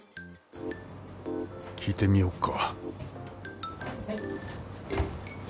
聞いてみよっか。